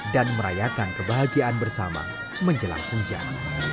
dan merayakan kebahagiaan bersama menjelang puncak